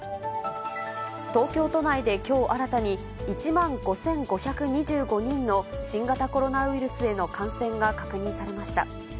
東京都内で、きょう新たに１万５５２５人の新型コロナウイルスへの感染が確認されました。